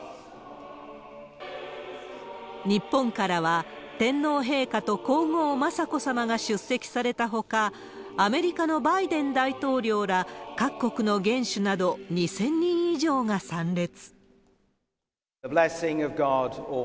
日本からは、天皇陛下と皇后雅子さまが出席されたほか、アメリカのバイデン大統領ら各国の元首など、２０００人以上が参列。